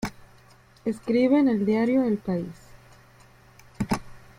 Escribe en el diario "El País".